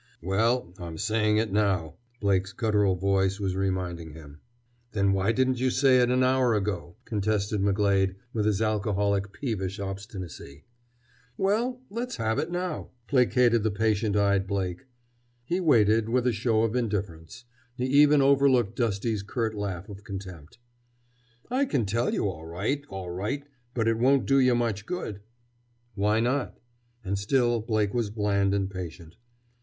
"Well, I'm saying it now!" Blake's guttural voice was reminding him. "Then why didn't you say it an hour ago?" contested McGlade, with his alcoholic peevish obstinacy. "Well, let's have it now," placated the patient eyed Blake. He waited, with a show of indifference. He even overlooked Dusty's curt laugh of contempt. "I can tell you all right, all right—but it won't do you much good!" "Why not?" And still Blake was bland and patient.